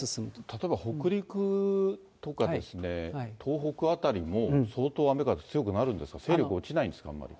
例えば北陸とか、東北辺りも、相当雨風、強くなるんですか、勢力落ちないんですか、あんまり。